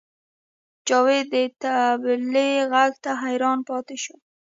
جاوید د طبلې غږ ته حیران پاتې شو